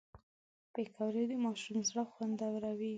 پکورې د ماشوم زړه خوندوروي